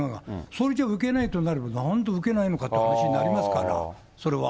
それじゃあ、受けないとなれば、なんで受けないのかって話になりますから、それは。